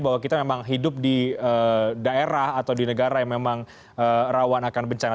bahwa kita memang hidup di daerah atau di negara yang memang rawan akan bencana